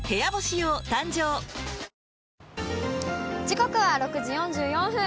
時刻は６時４４分。